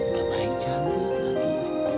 udah baik cantik lagi